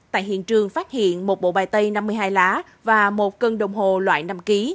tại hiện trường phát hiện một bộ bài tay năm mươi hai lá và một cân đồng hồ loại năm kg